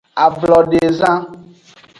Ablodezan.